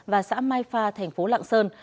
và xã mai pha thành phố lạng sơn